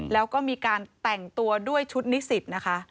แล้วก็มีการแต่งตัวด้วยชุดนิสิตนะคะ